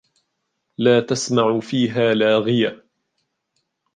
لا تسمع فيها لاغية